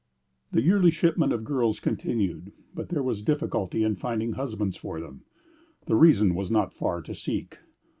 The yearly shipment of girls continued; but there was difficulty in finding husbands for them. The reason was not far to seek.